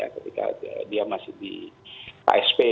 ketika dia masih di ksp